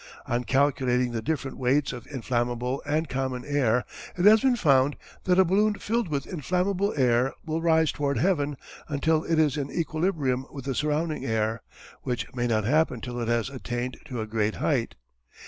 On calculating the different weights of inflammable and common air it has been found that a balloon filled with inflammable air will rise toward heaven until it is in equilibrium with the surrounding air; which may not happen till it has attained to a great height.